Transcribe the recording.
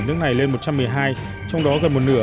ở nước này lên một trăm một mươi hai trong đó gần một nửa